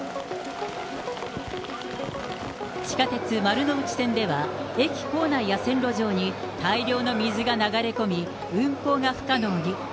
地下鉄丸ノ内線では、駅構内や線路上に大量の水が流れ込み、運行が不可能に。